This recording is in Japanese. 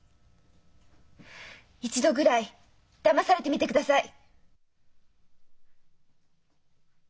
一度ぐらいだまされてみてください！